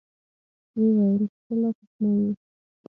ويې ويل ته لا کوچنى يې.